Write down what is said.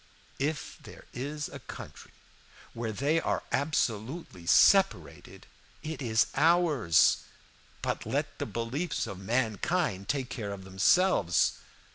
If there is a country where they are absolutely separated, it is ours; but let the beliefs of mankind take care of themselves.